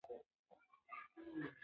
افغانستان د دښتې کوربه دی.